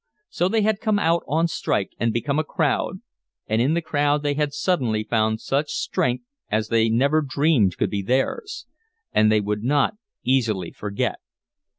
So they had come out on strike and become a crowd, and in the crowd they had suddenly found such strength as they never dreamed could be theirs. And they would not easily forget.